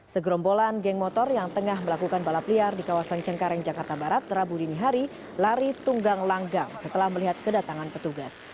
segerombolan geng motor yang tengah melakukan balap liar di kawasan cengkareng jakarta barat rabu dini hari lari tunggang langgang setelah melihat kedatangan petugas